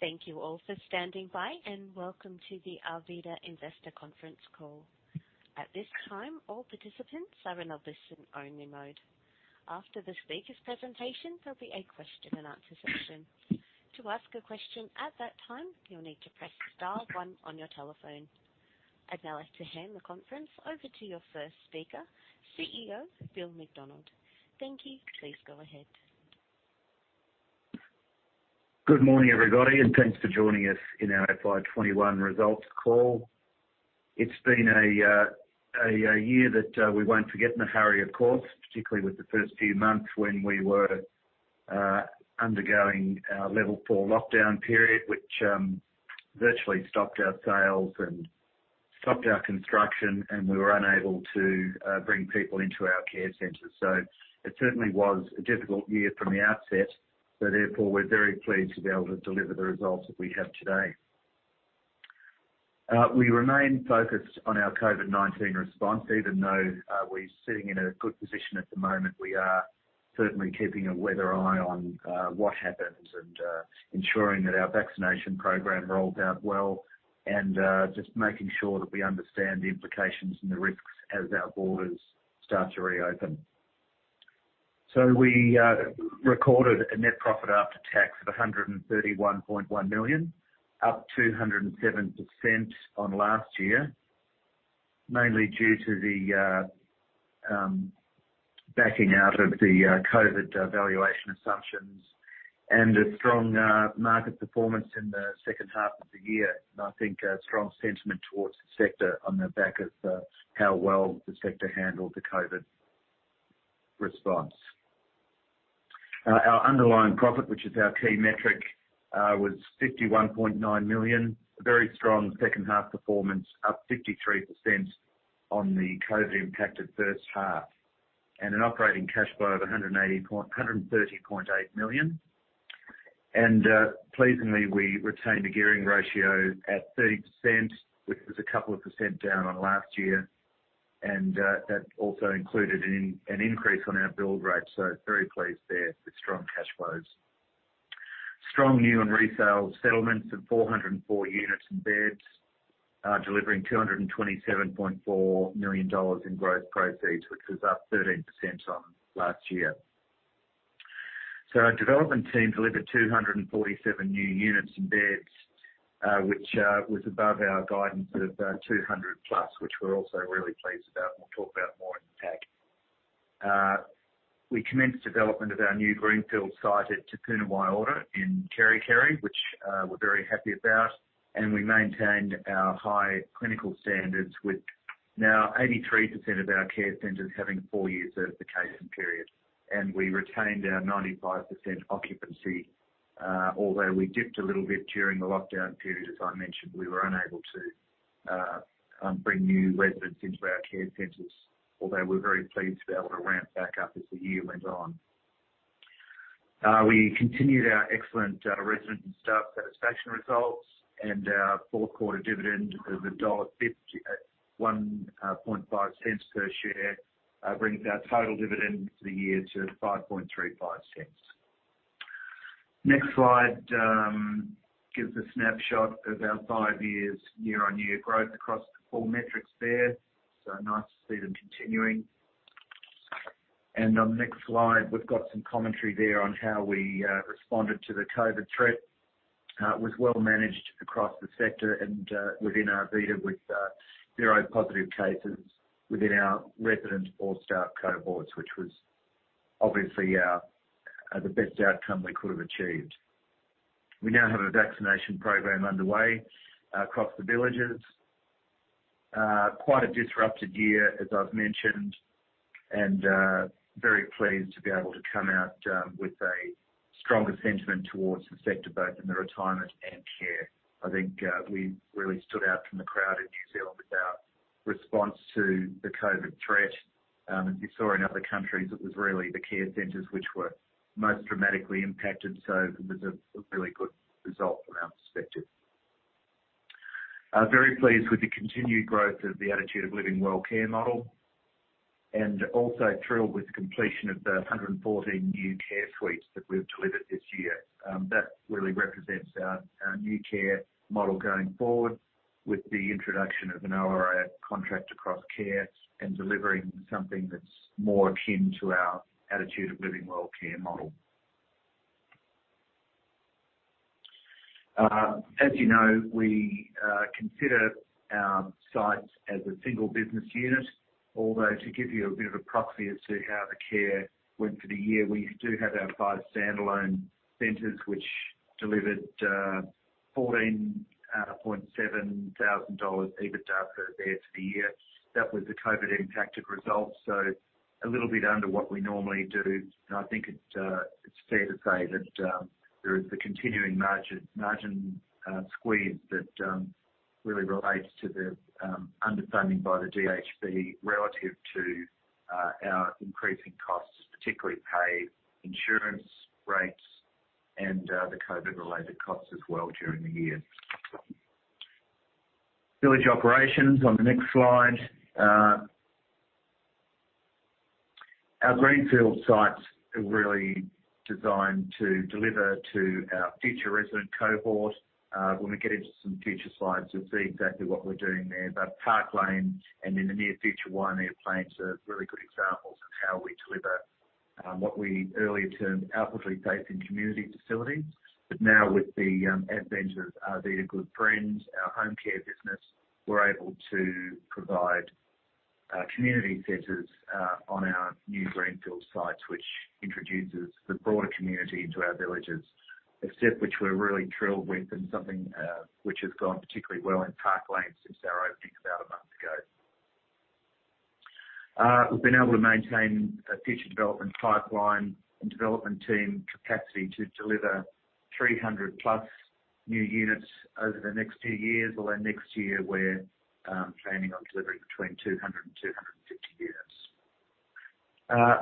Thank you all for standing by, and welcome to the Arvida Investor Conference Call. At this time, all participants are in a listen-only mode. After the speakers' presentation, there'll be a question-and-answer session. To ask a question at that time, you'll need to press star one on your telephone. I'd now like to hand the conference over to your first speaker, CEO Bill McDonald. Thank you. Please go ahead. Good morning, everybody, and thanks for joining us in our FY 2021 results call. It's been a year that we won't forget in a hurry, of course, particularly with the first few months when we were undergoing our Alert Level 4 lockdown period, which virtually stopped our sales and stopped our construction, and we were unable to bring people into our care centers. It certainly was a difficult year from the outset. Therefore, we're very pleased to be able to deliver the results that we have today. We remain focused on our COVID-19 response. Even though we're sitting in a good position at the moment, we are certainly keeping a weather eye on what happens and ensuring that our vaccination program rolled out well and just making sure that we understand the implications and the risks as our borders start to reopen. We recorded a net profit after tax of 131.1 million, up 207% on last year, mainly due to the backing out of the COVID valuation assumptions and a strong market performance in the second half of the year. I think a strong sentiment towards the sector on the back of how well the sector handled the COVID response. Our underlying profit, which is our key metric, was 51.9 million. A very strong second half performance, up 53% on the COVID-impacted first half. An operating cash flow of 130.8 million. Pleasingly, we retained a gearing ratio at 30%, which was a couple of percent down on last year, and that also included an increase on our build rate, so very pleased there with strong cash flows. Strong new and resale settlements of 404 units and beds, delivering 227.4 million dollars in gross proceeds, which was up 13% on last year. Our development team delivered 247 new units and beds, which was above our guidance of 200+, which we're also really pleased about, and we'll talk about more in the deck. We commenced development of our new greenfield site at Te Puna Waiora in Kerikeri, which we're very happy about. We maintained our high clinical standards with now 83% of our care centers having a four-year certification period. We retained our 95% occupancy. Although we dipped a little bit during the lockdown period, as I mentioned, we were unable to bring new residents into our care centers, although we're very pleased to be able to ramp back up as the year went on. We continued our excellent resident and staff satisfaction results, our four-quarter dividend of dollar 1.05 per share brings our total dividend for the year to 0.0535. Next slide gives a snapshot of our five years' year-over-year growth across the four metrics there, so nice to see them continuing. On the next slide, we've got some commentary there on how we responded to the COVID-19 threat. It was well managed across the sector and within Arvida with zero positive cases within our resident or staff cohorts, which was obviously the best outcome we could have achieved. We now have a vaccination program underway across the villages. Quite a disrupted year, as I've mentioned, very pleased to be able to come out with a stronger sentiment towards the sector, both in the retirement and care. I think we really stood out from the crowd in New Zealand with our response to the COVID-19 threat. As you saw in other countries, it was really the care centers which were most dramatically impacted, so it was a really good result from our perspective. Very pleased with the continued growth of the Attitude of Living Well care model. Also thrilled with the completion of the 114 new care suites that we've delivered this year. That really represents our new care model going forward with the introduction of an ORA contract across care and delivering something that's more akin to our Attitude of Living Well care model. As you know, we consider our sites as a single business unit. To give you a bit of a proxy as to how the care went for the year, we do have our five standalone centers which delivered 14.7 thousand dollars EBITDA there for the year. That was a COVID-impacted result, so a little bit under what we normally do. I think it's fair to say that there is the continuing margin squeeze that really relates to the underfunding by the DHB relative to our increasing costs, particularly pay, insurance rates, and the COVID-related costs as well during the year. Village operations on the next slide. Our greenfield sites are really designed to deliver to our future resident cohort. When we get into some future slides, you'll see exactly what we're doing there. Park Lane and in the near future, Waimea Plains, are very good examples of how we deliver what we earlier termed outwardly facing community facilities. Now with the Arvida Good Friends, our home care business, we're able to provide community centers on our new greenfield sites, which introduces the broader community into our villages. A step which we're really thrilled with and something which has gone particularly well in Park Lane since our opening about a month ago. We've been able to maintain a future development pipeline and development team capacity to deliver 300+ new units over the next few years, although next year we're planning on delivering between 200 and 250 units.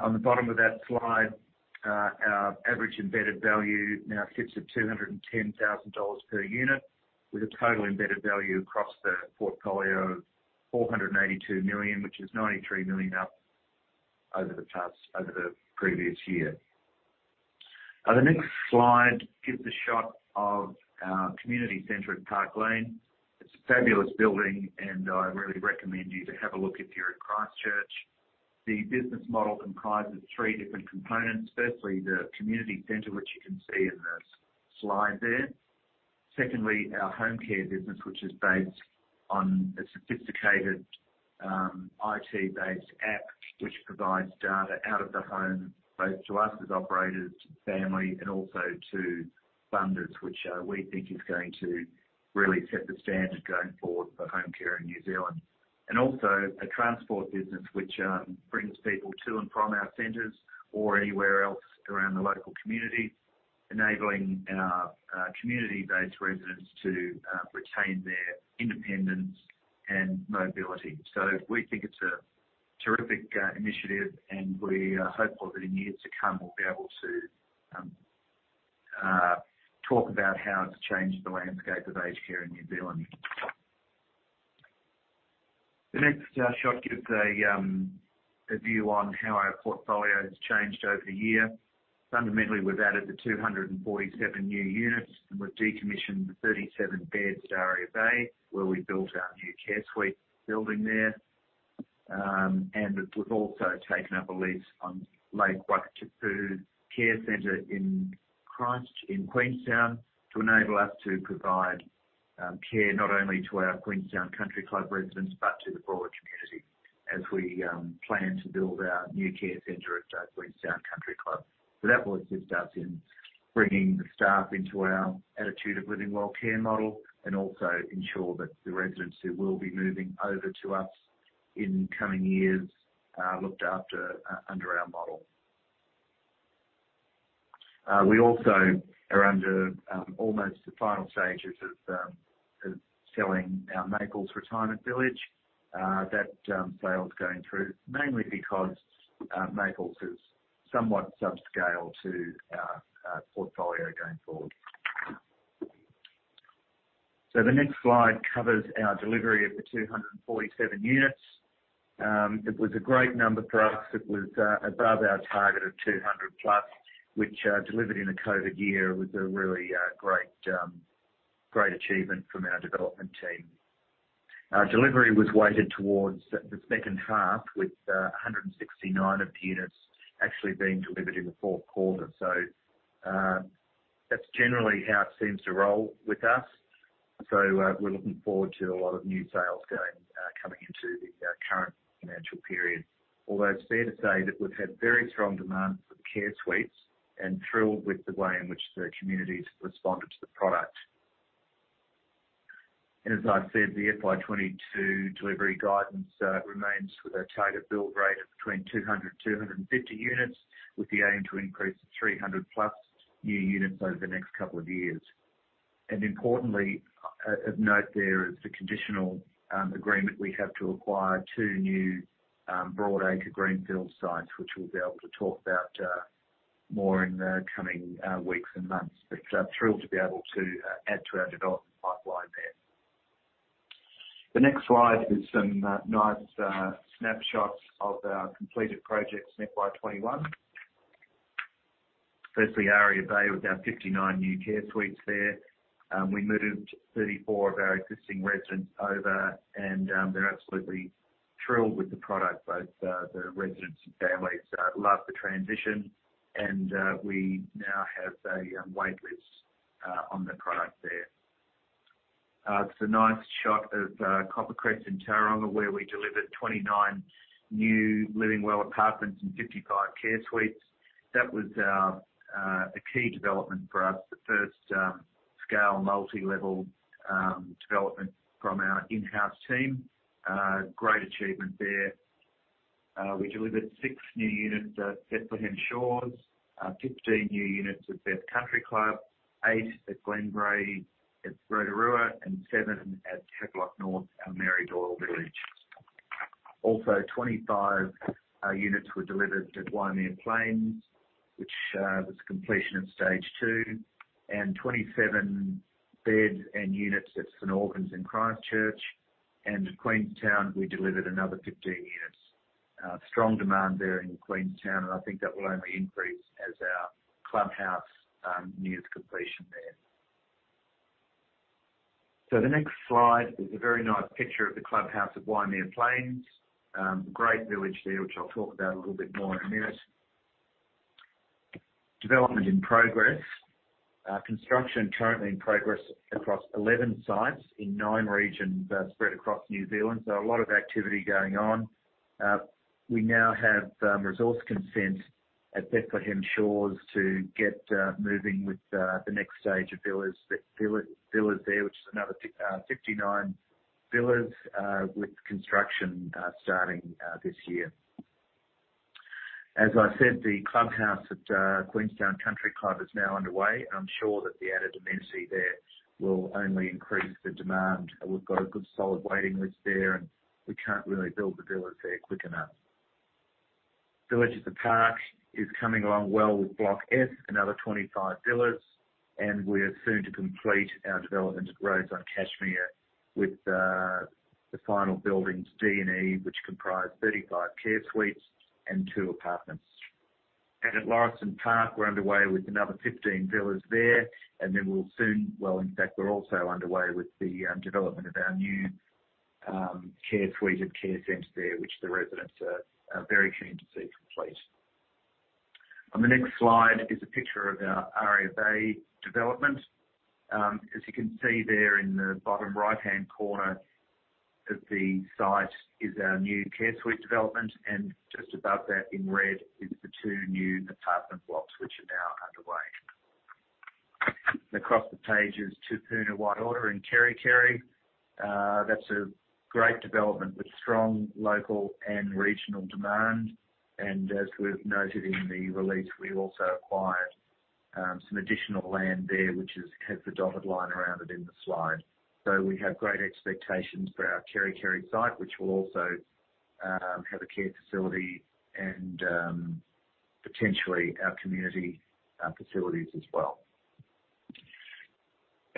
On the bottom of that slide, our average embedded value now sits at 210,000 dollars per unit, with a total embedded value across the portfolio of 482 million, which is 93 million up over the previous year. The next slide gives a shot of our community center at Park Lane. It's a fabulous building, and I really recommend you to have a look if you're in Christchurch. The business model comprises three different components. Firstly, the community center, which you can see in the slide there. Secondly, our home care business, which is based on a sophisticated IT-based app, which provides data out of the home, both to us as operators, to family, and also to funders, which we think is going to really set the standard going forward for home care in New Zealand. Also a transport business, which brings people to and from our centers or anywhere else around the local community, enabling our community-based residents to retain their independence and mobility. We think it's a terrific initiative, and we hope over the years to come, we'll be able to talk about how it's changed the landscape of aged care in New Zealand. The next shot gives a view on how our portfolio has changed over the year. Fundamentally, we've added the 247 new units, we've decommissioned the 37 beds at Aria Bay, where we built our new care suite building there. We've also taken up a lease on Lake Wakatipu Care Centre in Queenstown to enable us to provide care not only to our Queenstown Country Club residents but to the broader community as we plan to build our new care center at our Queenstown Country Club. That will assist us in bringing the staff into our Attitude of Living Well care model and also ensure that the residents who will be moving over to us in the coming years are looked after under our model. We also are under almost the final stages of selling our Maples Retirement Village. That sale is going through mainly because Maples is somewhat subscale to our portfolio going forward. The next slide covers our delivery of the 247 units. It was a great number for us. It was above our target of 200+, which, delivered in a COVID year, was a really great achievement from our development team. Our delivery was weighted towards the second half, with 169 of the units actually being delivered in the fourth quarter. That's generally how it seems to roll with us. We're looking forward to a lot of new sales coming into our current financial period. It's fair to say that we've had very strong demand for care suites and thrilled with the way in which the community has responded to the product. As I said, the FY 2022 delivery guidance remains with our target build rate of between 200-250 units, with the aim to increase to 300+ new units over the next couple of years. Importantly, of note there is the conditional agreement we have to acquire two new broad acre greenfield sites, which we'll be able to talk about more in the coming weeks and months. Thrilled to be able to add to our development pipeline there. The next slide is some nice snapshots of our completed projects in FY 2021. Firstly, Aria Bay with our 59 new care suites there. We moved 34 of our existing residents over, and they're absolutely thrilled with the product. Both the residents and families love the transition, and we now have a wait list on the product there. It's a nice shot of Copper Crest in Tauranga, where we delivered 29 new Living Well apartments and 55 care suites. That was a key development for us, the first scale multi-level development from our in-house team. Great achievement there. We delivered six new units at Bethlehem Shores, 15 new units at Beth Country Club, eight at Glenbrae at Rotorua, and seven at Havelock North, our Mary Doyle village. Also, 25 units were delivered at Waimea Plains, which was completion of stage 2, and 27 beds and units at St. Augustine's in Christchurch. Queenstown, we delivered another 15 units. Strong demand there in Queenstown, and I think that will only increase as our clubhouse nears completion there. The next slide is a very nice picture of the clubhouse of Waimea Plains. Great village there, which I'll talk about a little bit more in a minute. Development in progress. Construction currently in progress across 11 sites in nine regions spread across New Zealand, so a lot of activity going on. We now have resource consent at Bethlehem Country Club to get moving with the next stage of villas there, which is another 59 villas with construction starting this year. As I said, the clubhouse at Lake Wakatipu Care Centre is now underway. I'm sure that the added amenity there will only increase the demand. We've got a good solid waiting list there, and we can't really build the villas there quick enough. Village at the Park is coming along well with Block F, another 25 villas. We are soon to complete our development at Rhodes on Cashmere with the final buildings, D and E, which comprise 35 care suites and two apartments. At Lauriston Park, we're underway with another 15 villas there. Well, in fact, we're also underway with the development of our new care suites and care center there, which the residents are very keen to see complete. On the next slide is a picture of our Aria Bay development. As you can see there in the bottom right-hand corner of the site is our new care suite development, and just above that in red is the two new apartment blocks, which are now underway. Across the page is Te Puna Waiora in Kerikeri. That's a great development with strong local and regional demand. As we've noted in the release, we also acquired some additional land there, which has the dotted line around it in the slide. We have great expectations for our Kerikeri site, which will also have a care facility and potentially our community facilities as well.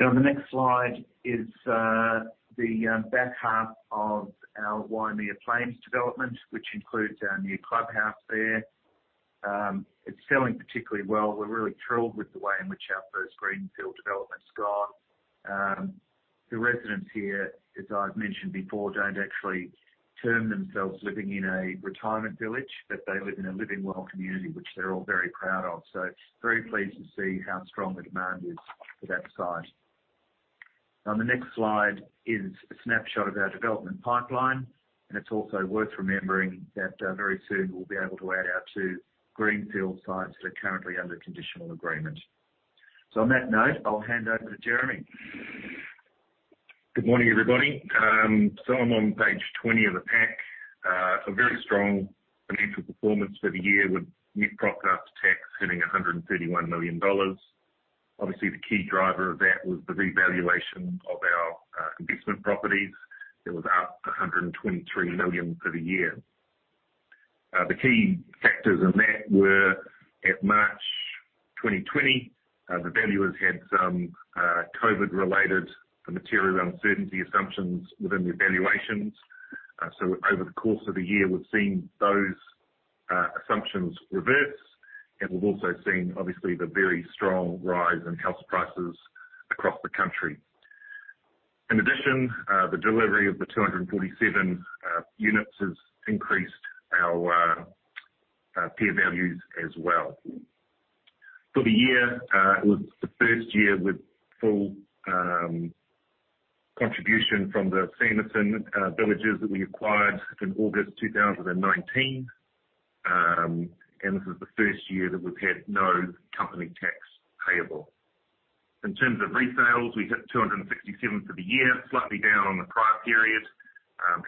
On the next slide is the back half of our Waimea Plains development, which includes our new clubhouse there. It's selling particularly well. We're really thrilled with the way in which our first greenfield development's gone. The residents here, as I've mentioned before, don't actually term themselves living in a retirement village, but they live in a Living Well community, which they're all very proud of. Very pleased to see how strong the demand is for that site. On the next slide is a snapshot of our development pipeline, and it's also worth remembering that very soon we'll be able to add our two greenfield sites that are currently under conditional agreement. On that note, I'll hand over to Jeremy. Good morning, everybody. I'm on page 20 of the pack. A very strong financial performance for the year with net profit after tax hitting 131 million dollars. Obviously, the key driver of that was the revaluation of our investment properties. It was up 123 million for the year. The key factors in that were, at March 2020, the valuers had some COVID-related material uncertainty assumptions within the valuations. Over the course of the year, we've seen those assumptions reverse, and we've also seen, obviously, the very strong rise in house prices across the country. In addition, the delivery of the 247 units has increased our peer values as well. For the year, it was the first year with full contribution from the Sanderson villages that we acquired in August 2019, and this is the first year that we've had no company tax payable. In terms of resales, we hit 257 for the year, slightly down on the prior period.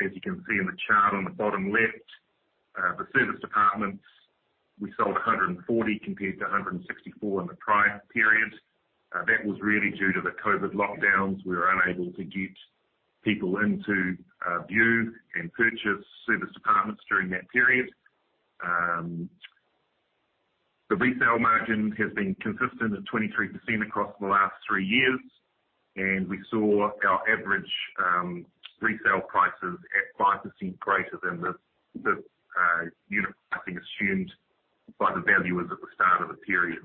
As you can see in the chart on the bottom left, the service apartments, we sold 140 compared to 164 in the prior period. That was really due to the COVID-19 lockdowns. We were unable to get people in to view and purchase service apartments during that period. The resale margin has been consistent at 23% across the last three years, and we saw our average resale prices at 5% greater than the unit having assumed by the valuers at the start of the period.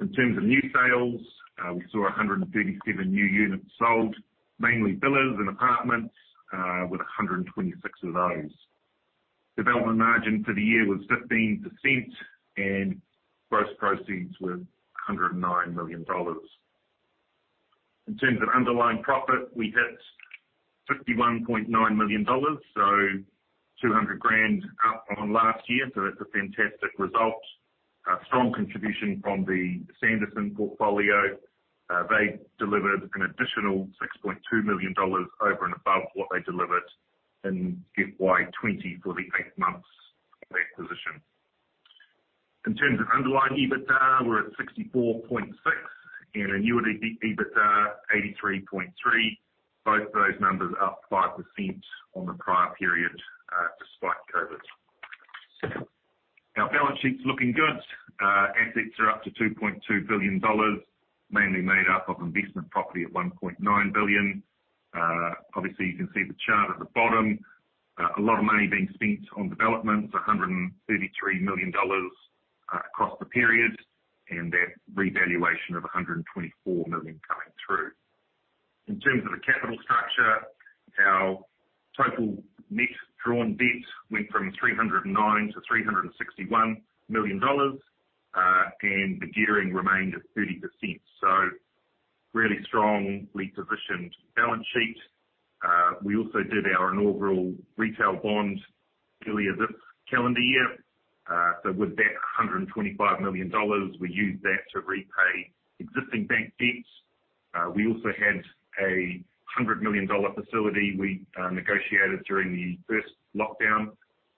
In terms of new sales, we saw 137 new units sold, mainly villas and apartments, with 126 of those. Development margin for the year was 15%, and gross proceeds were 109 million dollars. In terms of underlying profit, we hit 51.9 million dollars, so 200,000 up on last year, so that's a fantastic result. A strong contribution from the Sanderson portfolio. They delivered an additional 6.2 million dollars over and above what they delivered in FY 2020 for the eight months of that position. In terms of underlying EBITDA, we're at 64.6 million and annuity EBITDA 83.3 million. Both those numbers are up 5% on the prior period. Balance sheet's looking good. Assets are up to 2.2 billion dollars, mainly made up of investment property at 1.9 billion. Obviously, you can see the chart at the bottom. A lot of money being spent on developments, 133 million dollars across the period. That revaluation of 124 million coming through. In terms of the capital structure, our total net drawn debt went from NZD 309 to NZD 361 million. The gearing remained at 30%. Really strongly positioned balance sheet. We also did our inaugural retail bond earlier this calendar year. With that 125 million dollars, we used that to repay existing bank debts. We also had a 100 million dollar facility we negotiated during the first lockdown.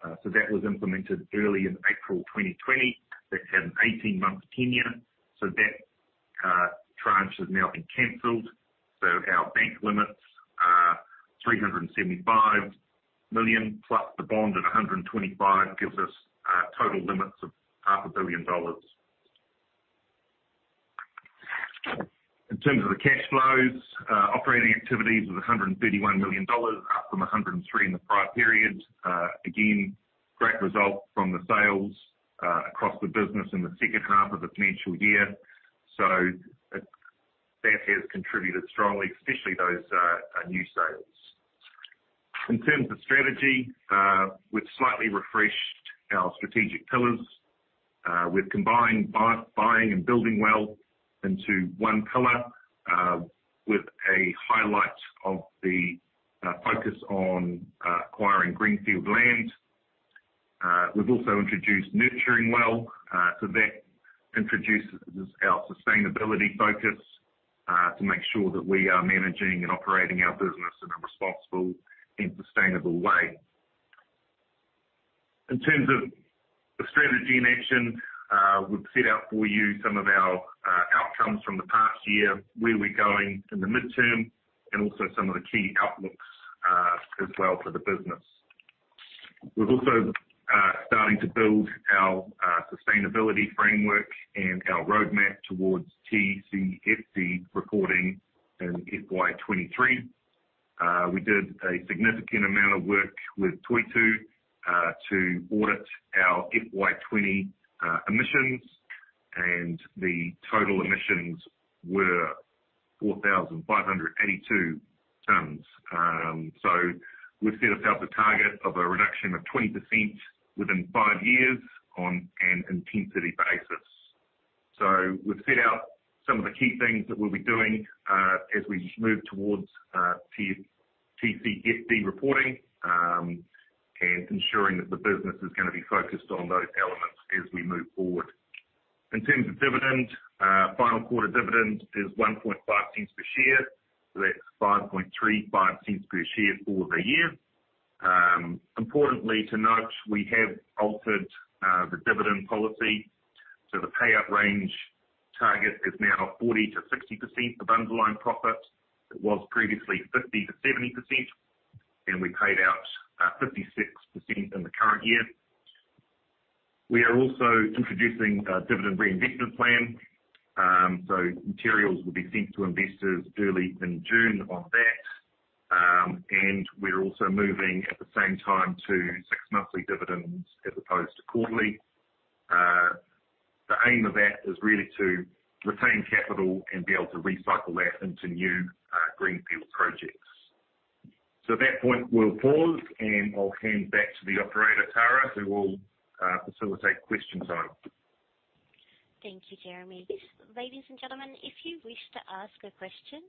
That was implemented early in April 2020. That had an 18-month tenure, that tranche has now been canceled. Our bank limits are 375 million, plus the bond at 125 gives us total limits of NZD half a billion dollars. In terms of the cash flows, operating activities was 131 million dollars, up from 103 in the prior period. Great result from the sales across the business in the second half of the financial year. That has contributed strongly, especially those new sales. In terms of strategy, we've slightly refreshed our strategic pillars. We've combined buying and building well into one pillar with a highlight of the focus on acquiring greenfield land. We've also introduced nurturing well. That introduces our sustainability focus to make sure that we are managing and operating our business in a responsible and sustainable way. In terms of the strategy mentioned, we've set out for you some of our outcomes from the past year, where we're going in the midterm, and also some of the key outlooks as well for the business. We're also starting to build our sustainability framework and our roadmap towards TCFD reporting in FY 2023. We did a significant amount of work with Toitū to audit our FY 2020 emissions, and the total emissions were 4,582 tons. We set ourselves a target of a reduction of 20% within five years on an intensity basis. We've set out some of the key things that we'll be doing as we move towards TCFD reporting, and ensuring that the business is going to be focused on those elements as we move forward. In terms of dividend, final quarter dividend is 0.015 per share. That's 0.0535 per share for the year. Importantly to note, we have altered the dividend policy. The payout range target is now 40%-60% of underlying profit. It was previously 50%-70%, and we paid out 56% in the current year. We are also introducing a dividend reinvestment plan. Materials will be sent to investors early in June on that. We're also moving at the same time to six-monthly dividends as opposed to quarterly. The aim of that is really to retain capital and be able to recycle that into new greenfield projects. At that point we'll pause, and I'll hand back to the operator, Tara, who will facilitate question time. Thank you, Jeremy. Ladies and gentlemen, if you wish to ask a question,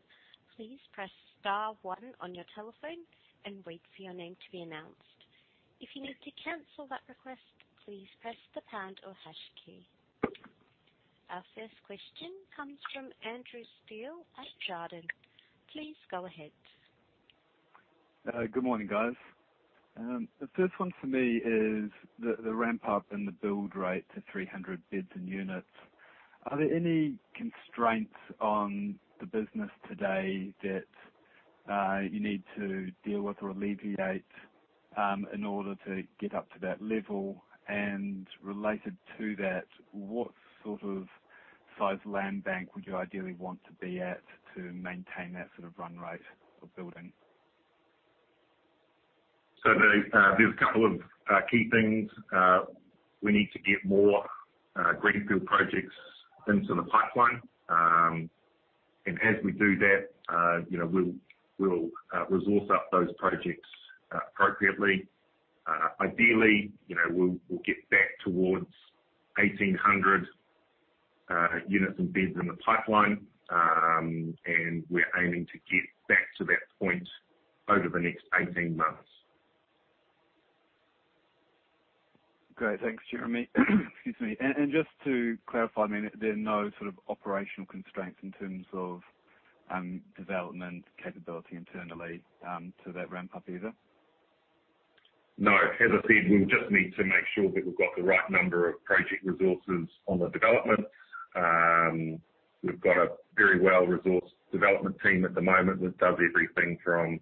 please press star one on your telephone and wait for your name to be announced. If you need to cancel that request, please press the pound or hash key. Our first question comes from Andrew Steele at Jarden. Please go ahead. Good morning, guys. The first one for me is the ramp-up in the build rate to 300 beds and units. Are there any constraints on the business today that you need to deal with or alleviate in order to get up to that level? Related to that, what sort of size land bank would you ideally want to be at to maintain that sort of run rate of building? There's a couple of key things. We need to get more greenfield projects into the pipeline. As we do that, we'll resource up those projects appropriately. Ideally, we'll get back towards 1,800 units and beds in the pipeline, and we're aiming to get back to that point over the next 18 months. Great. Thanks, Jeremy. Excuse me. Just to clarify, there are no sort of operational constraints in terms of development capability internally to that ramp up either? No, as I said, we just need to make sure that we've got the right number of project resources on the development. We've got a very well-resourced development team at the moment that does everything from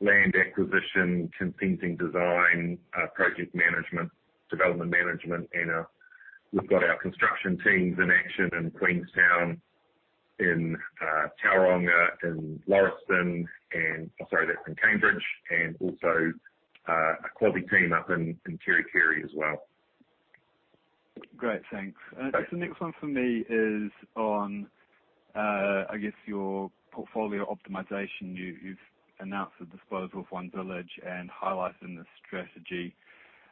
land acquisition, consenting design, project management, development management, and we've got our construction teams in action in Queenstown, in Tauranga, in Lauriston, sorry, that's in Cambridge, and also a quality team up in Kerikeri as well. Great, thanks. Okay. Next one from me is on, I guess, your portfolio optimization. You've announced the disposal of one village and highlighted in the strategy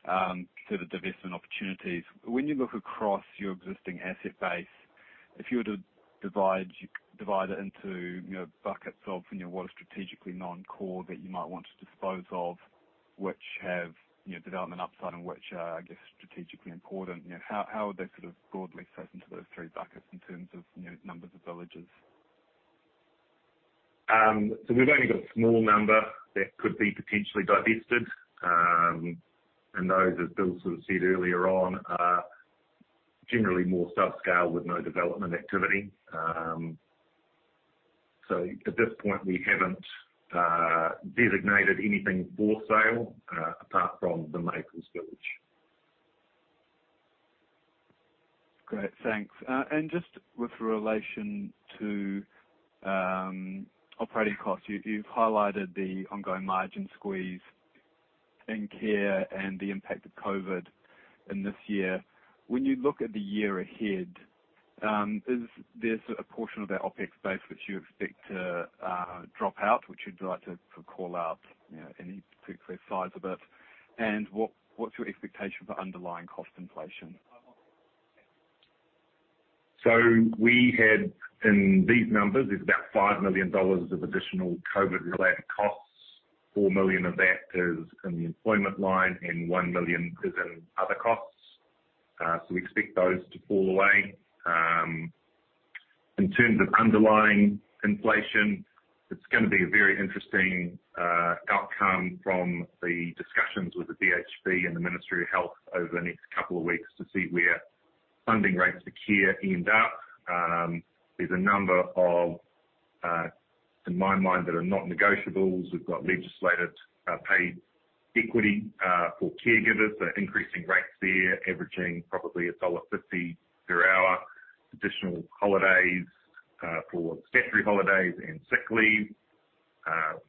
the divestment opportunities. When you look across your existing asset base, if you were to divide it into buckets of what is strategically non-core that you might want to dispose of, which have development upside and which are, I guess, strategically important, how would they broadly fit into those three buckets in terms of numbers of villages? We've only got a small number that could be potentially divested. Those, as Bill said earlier on, are generally more subscale with no development activity. At this point, we haven't designated anything for sale apart from the Maples Village. Great, thanks. Just with relation to operating costs, you've highlighted the ongoing margin squeeze in care and the impact of COVID in this year. When you look at the year ahead, is this a portion of that OpEx base which you expect to drop out? Would you like to call out any particular size of it, and what's your expectation for underlying cost inflation? We had, in these numbers, there's about 5 million dollars of additional COVID-related costs. 4 million of that is in the employment line and 1 million is in other costs. We expect those to fall away. In terms of underlying inflation, it's going to be a very interesting outcome from the discussions with the DHB and the Ministry of Health over the next couple of weeks to see where funding rates for care end up. There's a number of, in my mind, that are not negotiables. We've got legislated paid equity for caregivers, so increasing rates there averaging probably dollar 1.50 per hour, additional holidays for statutory holidays and sick leave.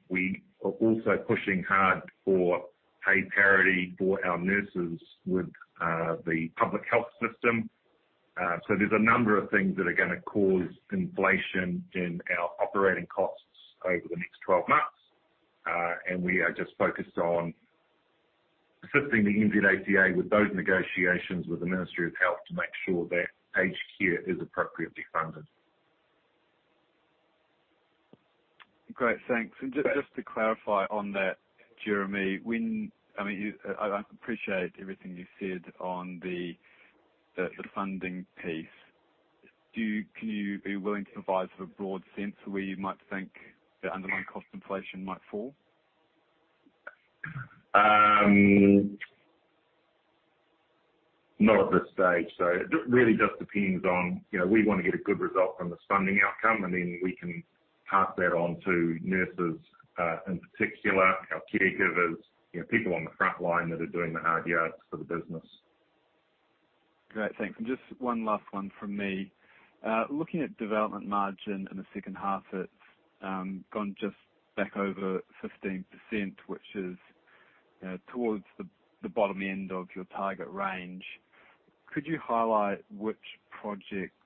We are also pushing hard for pay parity for our nurses with the public health system. There's a number of things that are going to cause inflation in our operating costs over the next 12 months. We are just focused on assisting the NZACA with those negotiations with the Ministry of Health to make sure that aged care is appropriately funded. Great, thanks. Just to clarify on that, Jeremy, I appreciate everything you said on the funding piece. Can you be willing to provide a broad sense of where you might think the underlying cost inflation might fall? Not at this stage. It really just depends on. We want to get a good result from this funding outcome, and then we can pass that on to nurses, in particular our caregivers, people on the frontline that are doing the hard yards for the business. Great, thanks. Just one last one from me. Looking at development margin in the second half, it's gone just back over 15%, which is towards the bottom end of your target range. Could you highlight which projects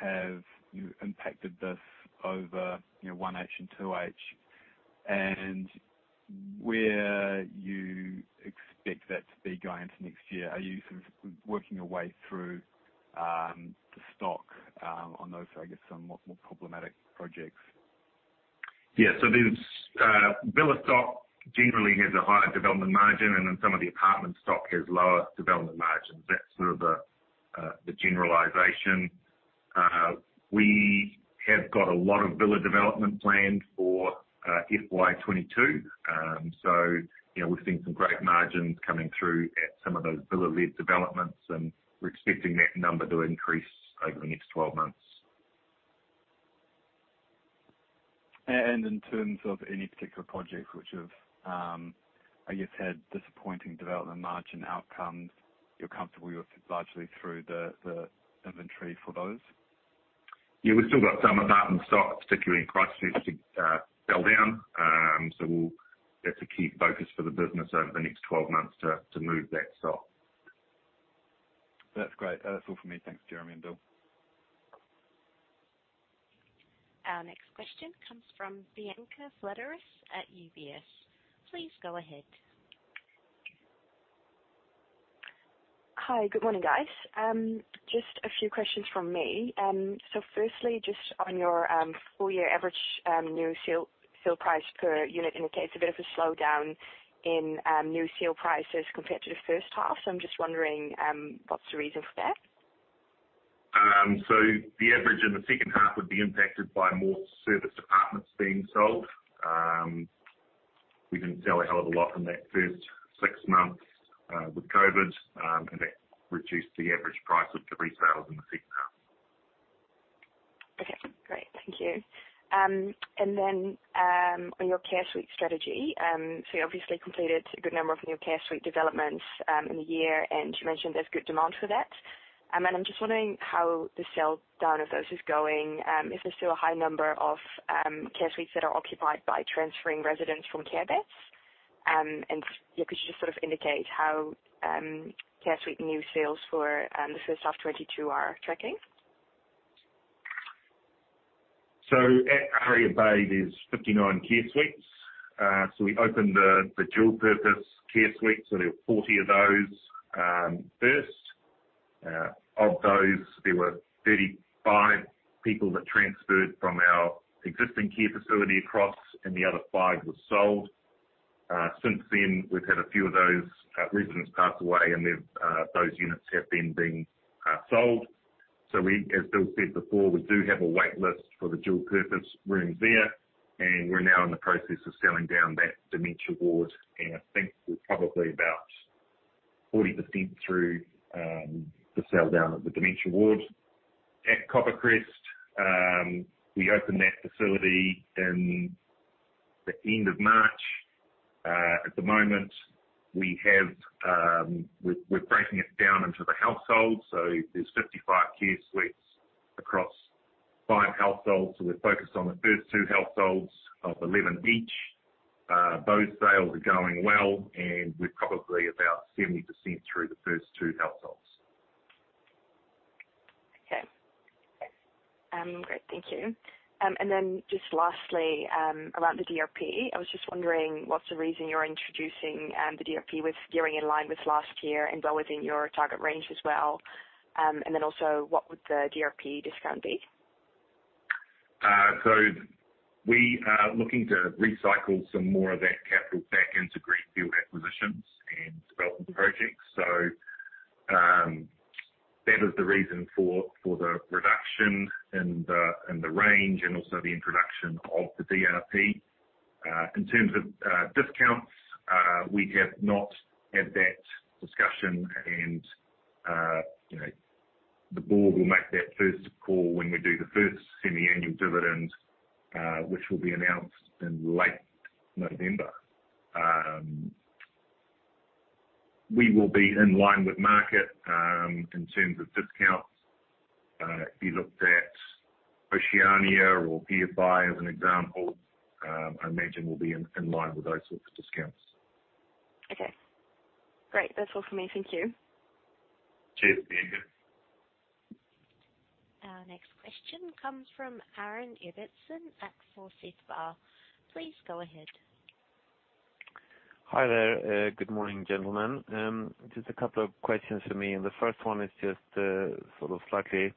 have impacted this over your 1H and 2H, and where you expect that to be going into next year? Are you working your way through the stock on those, I guess, somewhat more problematic projects? Yeah. Villa stock generally has a higher development margin, and then some of the apartment stock has lower development margins. That's sort of the generalization. We have got a lot of villa development planned for FY 2022. Yeah, we've seen some great margins coming through at some of those villa-led developments, and we're expecting that number to increase over the next 12 months. In terms of any particular projects which have, I guess, had disappointing development margin outcomes, you're comfortable you're largely through the inventory for those? Yeah, we've still got some of that in stock, particularly in Christchurch, which fell down. We'll get the key focus for the business over the next 12 months to move that stock. That's great. That's all from me. Thanks, Jeremy and Bill. Our next question comes from Bianca Leteris at UBS. Please go ahead. Hi, good morning, guys. Just a few questions from me. Firstly, just on your full-year average new sale price per unit in care. There's a slowdown in new sale prices compared to the first half. I'm just wondering what's the reason for that? The average in the second half would be impacted by more service departments being sold. We didn't sell a hell of a lot in that first six months with COVID, and it reduced the average price of resales in the second half Great. Thank you. On your care suite strategy, you obviously completed a good number of your care suite developments in the year, and you mentioned there's good demand for that. I'm just wondering how the sell-down of those is going. Is there still a high number of care suites that are occupied by transferring residents from care beds? If you could just indicate how care suite new sales for FY 2022 are tracking. At Aria Bay, there's 59 care suites. We opened the dual-purpose care suites, there were 40 of those first. Of those, there were 35 people that transferred from our existing care facility across, and the other five were sold. Since then, we've had a few of those residents pass away, and those units have then been sold. As Bill said before, we do have a wait list for the dual-purpose rooms there, and we're now in the process of selling down that dementia ward, and I think we're probably about 40% through the sell-down of the dementia ward. At Copper Crest, we opened that facility in the end of March. At the moment, we're breaking it down into the households. There's 55 care suites across five households, we're focused on the first two households of 11 each. Those sales are going well, and we're probably about 70% through the first two households. Okay. Great. Thank you. Just lastly, about the DRP. I was just wondering what's the reason you're introducing the DRP, which is gearing in line with last year and well within your target range as well. Also, what would the DRP discount be? We are looking to recycle some more of that capital back into greenfield acquisitions and development projects. That was the reason for the reduction in the range and also the introduction of the DRP. In terms of discounts, we have not had that discussion and the board will make that first call when we do the first semi-annual dividend, which will be announced in late November. We will be in line with market, in terms of discounts. If you looked at Oceania will be a viable example, I imagine we'll be in line with those sorts of discounts. Okay, great. That's all from me. Thank you. Cheers. See you. Our next question comes from Aaron Ibbotson at Forsyth Barr. Please go ahead. Hi there. Good morning, gentlemen. Just a couple of questions from me, the first one is just sort of slightly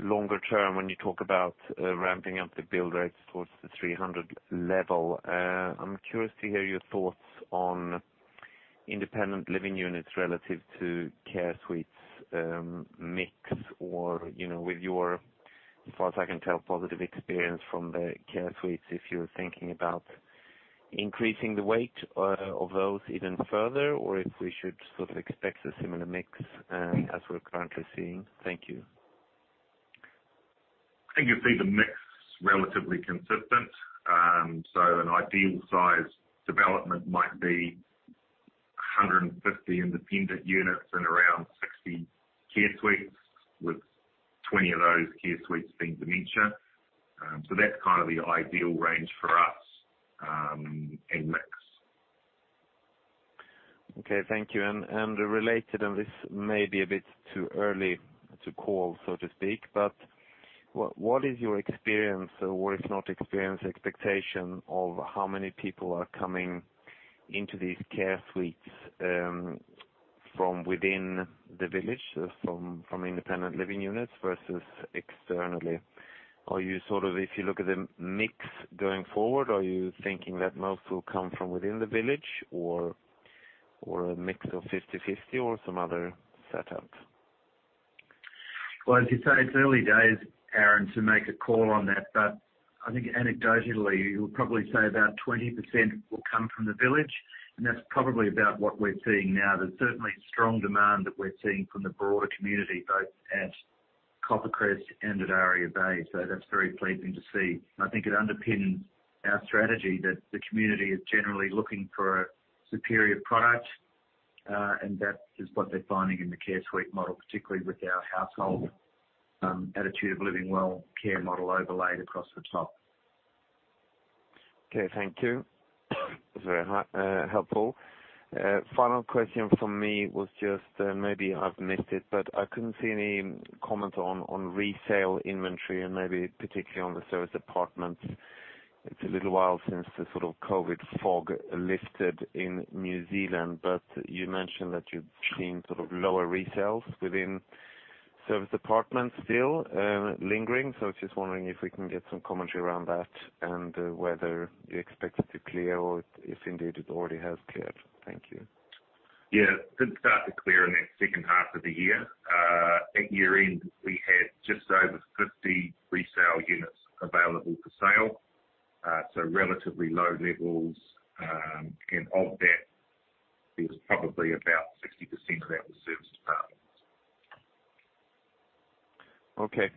longer-term. When you talk about ramping up the build rates towards the 300 level, I'm curious to hear your thoughts on independent living units relative to care suites mix or with your, as far as I can tell, positive experience from the care suites, if you're thinking about increasing the weight of those even further or if we should sort of expect a similar mix as we're currently seeing. Thank you. I think you'll see the mix relatively consistent. An ideal size development might be 150 independent units and around 60 care suites, with 20 of those care suites being dementia. That's kind of the ideal range for us, and mix. Okay, thank you. Related, this may be a bit too early to call, so to speak, what is your experience or if not experience, expectation of how many people are coming into these care suites, from within the village, so from independent living units versus externally? If you look at the mix going forward, are you thinking that most will come from within the village or a mix of 50/50 or some other setup? As you say, it's early days, Aaron, to make a call on that, but I think anecdotally, you'll probably say about 20% will come from the village, and that's probably about what we're seeing now. There's certainly strong demand that we're seeing from the broader community, both at Copper Crest and at Aria Bay. That's very pleasing to see, and I think it underpins our strategy that the community is generally looking for a superior product, and that is what they're finding in the care suite model, particularly with our household Attitude of Living Well care model overlaid across the top. Okay, thank you. That was very helpful. Final question from me was just, maybe I've missed it, but I couldn't see any comment on resale inventory and maybe particularly on the service departments. It's a little while since the sort of COVID fog lifted in New Zealand, but you mentioned that you've seen sort of lower resales within service departments still lingering. Just wondering if we can get some commentary around that and whether you expect it to clear or if indeed it already has cleared? Thank you. Yeah, it did start to clear in that second half of the year. At year-end, we had just over 50 resale units available for sale, so relatively low levels. Of that, there's probably about 60% of that was service departments. Okay.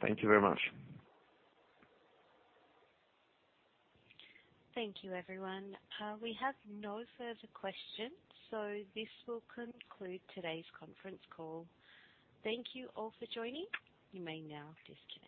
Thank you very much. Thank you, everyone. We have no further questions, so this will conclude today's conference call. Thank you all for joining. You may now disconnect.